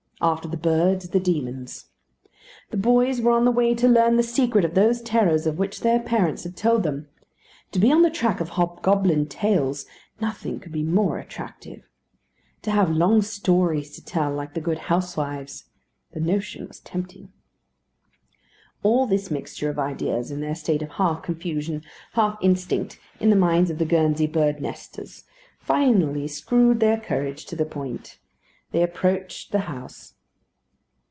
After the birds, the demons. The boys were on the way to learn the secret of those terrors of which their parents had told them. To be on the track of hobgoblin tales nothing could be more attractive. To have long stories to tell like the good housewives. The notion was tempting. All this mixture of ideas, in their state of half confusion, half instinct, in the minds of the Guernsey birds' nesters, finally screwed their courage to the point. They approached the house.